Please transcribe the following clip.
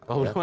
oh belum ada